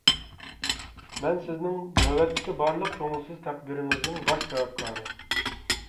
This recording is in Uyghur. مەن سىزنىڭ نۆۋەتتىكى بارلىق كۆڭۈلسىز تەقدىرىڭىزنىڭ باش سەۋەبكارى .